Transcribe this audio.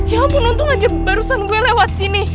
ya ampun untung aja barusan gue lewat sini